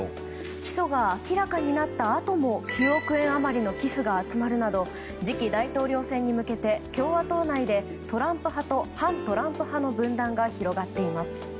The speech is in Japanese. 起訴が明らかになったあとも９億円余りの寄付が集まるなど次期大統領選に向けて共和党内でトランプ派と反トランプ派の分断が広がっています。